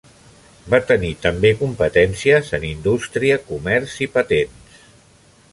Va tenir també competències en indústria, comerç i patents.